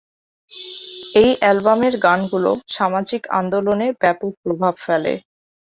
এই অ্যালবামের গানগুলো সামাজিক আন্দোলনে ব্যাপক প্রভাব ফেলে।